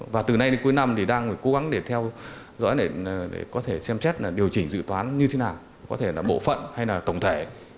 và từ nay đến cuối năm thì đang cố gắng để theo dõi để có thể xem xét là điều chỉnh dự toán như thế nào có thể là bộ phận hay là tổng thể